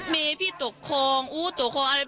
มีพี่ตกโครงอู้ตกโครงอะไร